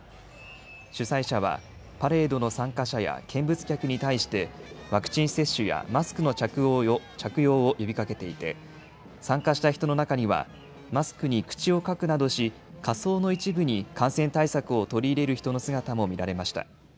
主催者はパレードの参加者や見物客に対してワクチン接種やマスクの着用を呼びかけていて参加した人の中にはマスクに口を描くなどし仮装の一部に感染対策を取り入れる人の姿も見られました。